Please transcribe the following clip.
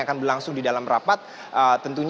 apakah ketua kpu hashim ashari akan digantikan